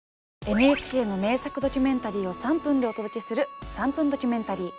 ＮＨＫの名作ドキュメンタリーを３分でお届けする「３分ドキュメンタリー」。